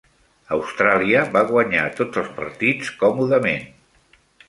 Austràlia va guanyar tots els partits còmodament.